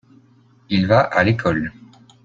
il va à l'école.